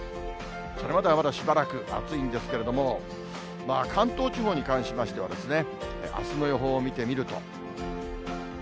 それまではまだしばらく暑いんですけれども、関東地方に関しましては、あすの予報を見てみると。